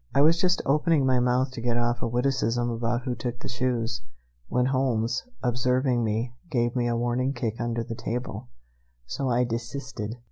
I was just opening my mouth to get off a witticism about who took the shoes, when Holmes, observing me, gave me a warning kick under the table, so I desisted.